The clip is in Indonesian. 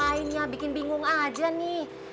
lainnya bikin bingung aja nih